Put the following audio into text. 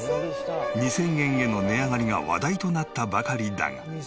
２０００円への値上がりが話題となったばかりだが。